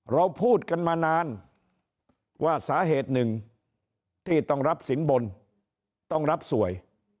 เราพูดกันมานานว่าสาเหตุหนึ่งที่ต้องรับสินบนต้องรับสวย